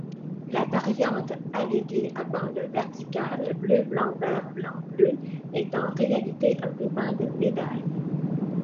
La variante alléguée à bandes verticales bleu-blanc-vert-blanc-bleu est en réalité un ruban de médaille.